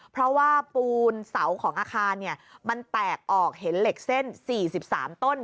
เพราะว่าปูนเสาของอาคารมันแตกออกเห็นเหล็กเส้น๔๓ต้น